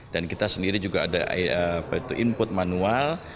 dan kita sendiri juga ada input manual